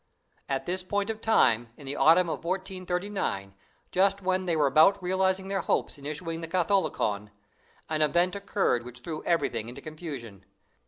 At this point of time, the autumn of 1439, just when they were about realizing their hopes in issuing the "Catholicon," an event occurred which threw everything into confusion.